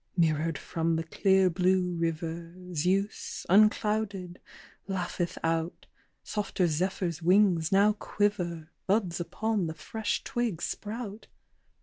"Mirrored from the clear blue river. Zeus, unclouded, laugheth out, Softer zephyr's wings now quiver, Buds upon the fresh twig sprout."